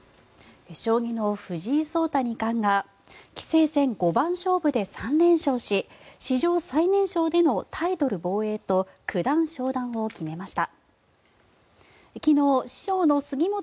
将棋の藤井聡太二冠が棋聖戦五番勝負で３連勝し史上最年少でのタイトル防衛と九段昇段を決めました。